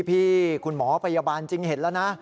พี่คุณหมอพยาบาลจริงเห็นแล้วนะ